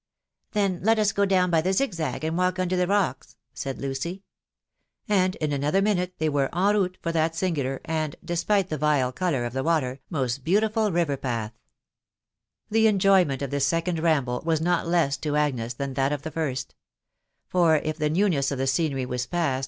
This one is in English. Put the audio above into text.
*• 4Then let us go down. by the aig aag, and walk under the rocks/' said Lucy ; and in another minute they were en raawtr for that /imsgntor and {despite the vile colour of the water) most baaartiftd nve^Hpaoh. f£he enjoyment of this second rarafek was not less to Agnes than that of the first; for, if the newness, of the scenery vatpaat